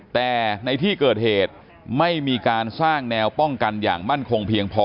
แต่ในที่เกิดเหตุไม่มีการสร้างแนวป้องกันอย่างมั่นคงเพียงพอ